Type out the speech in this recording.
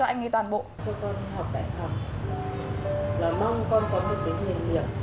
đã bao giờ mua một món quà cho mẹ